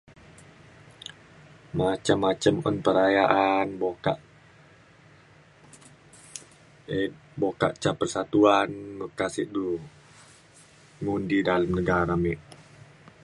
macam macam un perayaan bokak e- bokak ca persatuan meka sik du ngundi dalam negara me